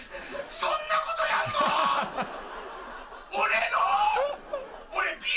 そんなことやんのー！